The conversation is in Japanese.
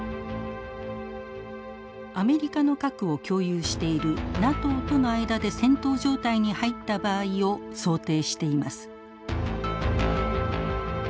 アメリカの核を共有しているＮＡＴＯとの間で戦闘状態に入った場合を想定しています。